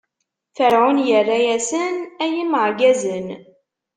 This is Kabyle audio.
Ferɛun irra-asen: Ay imeɛgazen!